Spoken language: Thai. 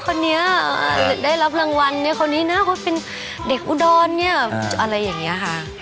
คนนี้ได้รับรางวัลคนนี้เป็นเด็กอุดรอะไรอย่างนี้ค่ะ